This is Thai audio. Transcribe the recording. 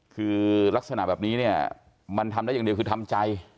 คือลักษณะแบบนี้เนี่ยมันทำได้อย่างเดียวคือทำใจ